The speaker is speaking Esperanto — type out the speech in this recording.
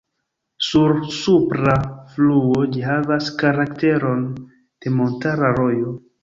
Sur supra fluo ĝi havas karakteron de montara rojo.